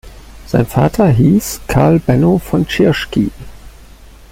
Sein Vater hieß Karl Benno von Tschirschky.